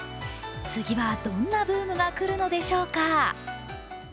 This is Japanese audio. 次はどんなブームが来るのでしょうか。